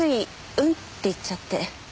「うん」って言っちゃって。